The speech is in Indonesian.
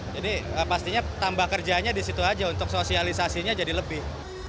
jadi pastinya tambah kerjanya di situ aja untuk sosialisasinya jadi lebih